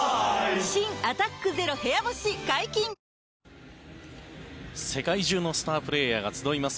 新「アタックＺＥＲＯ部屋干し」解禁‼世界中のスタープレーヤーが集います